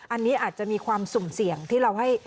อันนี้อาจจะมีความสุ่มเสี่ยงที่เราให้